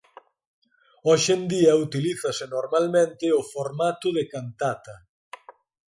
Hoxe en día utilízase normalmente o formato de cantata.